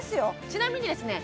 ちなみにですね